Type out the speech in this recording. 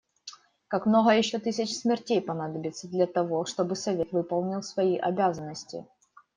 Как много еще тысяч смертей понадобится для того, чтобы Совет выполнил свои обязанности?